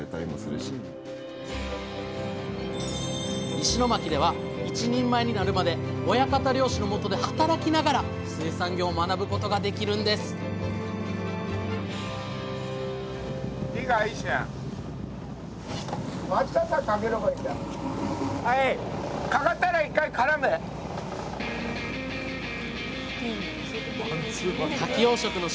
石巻では一人前になるまで親方漁師のもとで働きながら水産業を学ぶことができるんですかき養殖の仕事を始めて１年半。